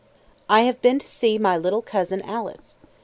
I have been to see my little cousin Alice.